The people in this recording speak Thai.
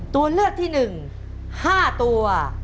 ตัวเลือกที่๑๕ตัว